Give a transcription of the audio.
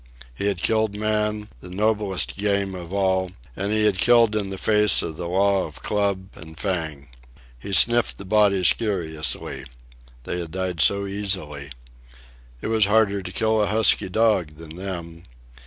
He had killed man, the noblest game of all, and he had killed in the face of the law of club and fang. He sniffed the bodies curiously. They had died so easily. It was harder to kill a husky dog than them.